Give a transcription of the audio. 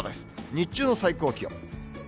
日中の最高気温。